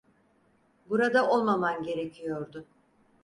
Burada olmaman gerekiyordu.